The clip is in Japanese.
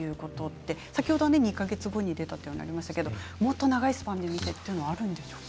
先ほど２か月後に出たということでしたがもっと長いスパンで見てというのはあるんでしょうか？